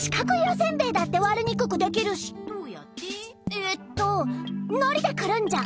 えっとのりでくるんじゃう。